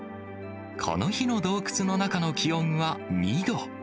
この日の洞窟の中の気温は２度。